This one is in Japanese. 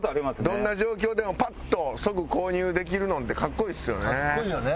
どんな状況でもパッと即購入できるのって格好いいですよね。